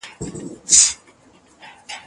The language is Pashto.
زه له سهاره کتابونه لولم